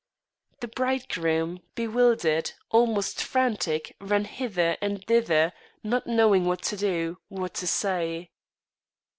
The bridegroom, bewildered, almost frantic, ran hither and thither, not knowing what to do, what to say.